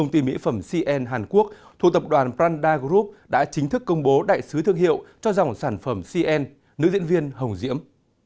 thủ tập đoàn branda group đã chính thức công bố đại sứ thương hiệu cho dòng sản phẩm cn nữ diễn viên hồng diễm